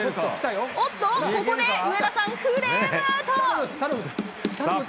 おっと、ここで上田さん、フレームアウト！